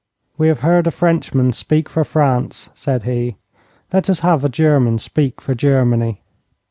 'We have heard a Frenchman speak for France,' said he. 'Let us have a German speak for Germany.'